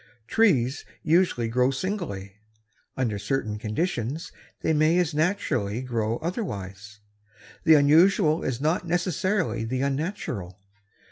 Trees usually grow singly. Under certain conditions they may as naturally grow otherwise. The unusual is not necessarily the unnatural.